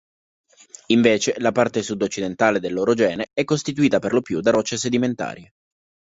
Invece la parte sudoccidentale dell'orogene è costituita perlopiù da rocce sedimentarie.